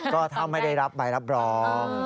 ก็ถ้าไม่ได้รับใบรับรอง